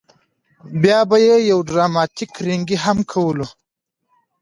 بیا به یې یو ډراماتیک رینګی هم کولو.